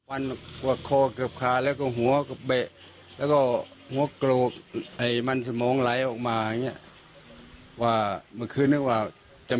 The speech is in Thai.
รักษาลูก